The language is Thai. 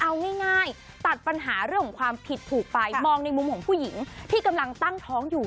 เอาง่ายตัดปัญหาเรื่องของความผิดถูกไปมองในมุมของผู้หญิงที่กำลังตั้งท้องอยู่